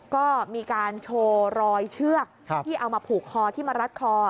ก็มีการโชว์รอยเชือกที่เอามาผูกคอที่มารัดคอ